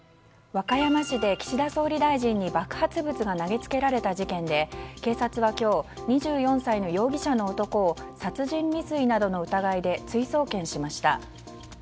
和歌山市で岸田総理大臣に爆発物が投げつけられた事件で警察は今日２４歳の容疑者の男を殺人未遂などの疑いで追送検しました。